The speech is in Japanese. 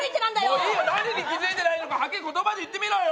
もういい、何に気づいてないのか言葉で言ってみろよ。